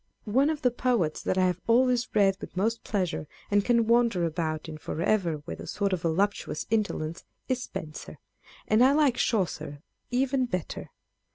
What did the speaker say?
â€" One of the poets that I have always read with most pleasure, and can wander about in for ever with a sort of voluptuous indolence, is Spenser; and I like Chaucer even better.